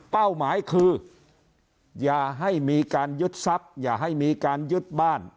หมายคืออย่าให้มีการยึดทรัพย์อย่าให้มีการยึดบ้าน